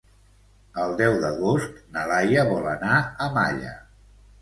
El deu d'agost na Laia vol anar a Malla.